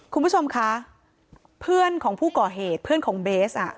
คุณผู้ชมคะเพื่อนของผู้ก่อเหตุเพื่อนของเบสอ่ะ